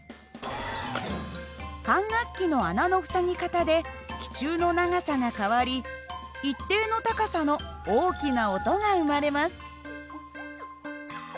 管楽器の穴の塞ぎ方で気柱の長さが変わり一定の高さの大きな音が生まれます。